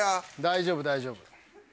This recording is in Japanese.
大丈夫大丈夫。